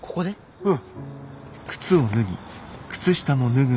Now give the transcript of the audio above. うん。